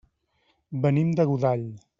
Venim de Godall.